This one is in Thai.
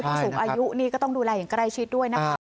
ผู้สูงอายุนี่ก็ต้องดูแลอย่างใกล้ชิดด้วยนะคะ